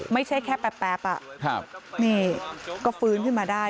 ไม่ใช่แค่แป๊บนี่ก็ฟื้นขึ้นมาได้